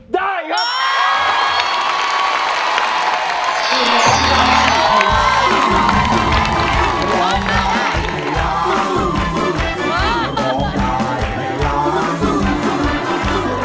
ได้ครับ